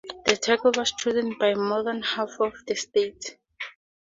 A turtle was chosen by more than half of the states.